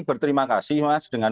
berterima kasih mas dengan